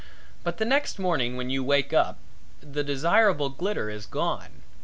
But the next morning when you wake up the desirable glitter is gone.